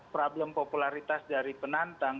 problem popularitas dari penantang